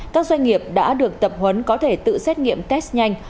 các doanh nghiệp đã được tập huấn có thể tự xét nghiệm test nhanh